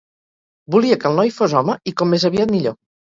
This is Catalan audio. Volia que el noi fos home, i com més aviat millor